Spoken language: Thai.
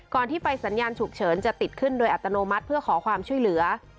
ที่ไฟสัญญาณฉุกเฉินจะติดขึ้นโดยอัตโนมัติเพื่อขอความช่วยเหลือ